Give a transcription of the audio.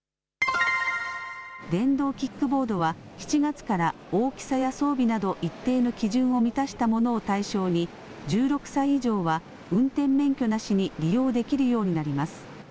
電動キックボードは７月から大きさや装備など一定の基準を満たしたものを対象に１６歳以上は運転免許なしに利用できるようになります。